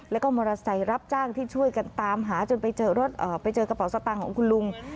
แล้วก็มอเตอร์ไซค์รับจ้างที่ช่วยกันตามหาจนไปเจอรถไปเจอกระเป๋าสตางค์ของคุณลุง